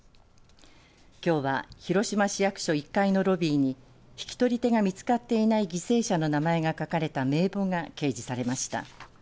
きょうは広島市役所１階のロビーに引き取り手が見つかっていない犠牲者の名前が書かれた名簿が掲示されました。